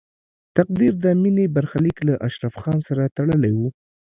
تقدیر د مینې برخلیک له اشرف خان سره تړلی و